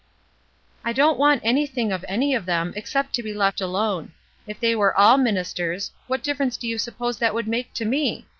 "I don't want anything of any of them, ex cept to be let alone. If they were all ministers, what difference do you suppose that would make to me?